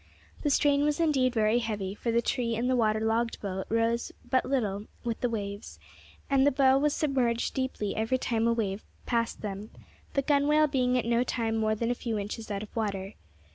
The strain was indeed very heavy, for the tree and the waterlogged boat rose but little with the waves, and the bow was submerged deeply every time a wave passed them, the gunwale being at no time more than a few inches out of water.